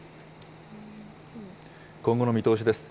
今後の見通しです。